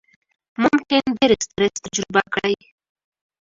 ممکن ډېر سټرس تجربه کړئ،